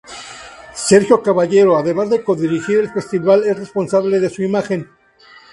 Sergio Caballero además de co-dirigir el festival es el responsable de su imagen.